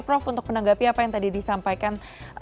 prof untuk menanggapi apa yang tadi disampaikan